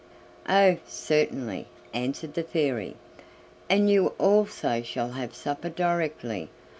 "Oh! certainly," answered the Fairy, "and you also shall have supper directly.